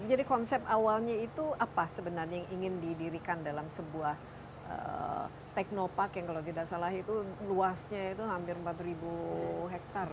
jadi konsep awalnya itu apa sebenarnya yang ingin didirikan dalam sebuah teknopark yang kalau tidak salah itu luasnya itu hampir empat ribu hektar ya